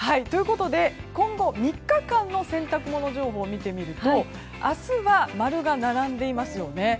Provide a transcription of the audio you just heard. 今後３日間の洗濯物情報を見てみると明日は、〇が並んでいますよね。